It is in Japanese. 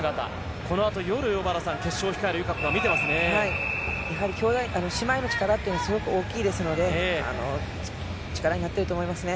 この後、夜、小原さん、決勝を控える友香子が姉妹の力っていうのはがすごく大きいですので、力になっていると思います。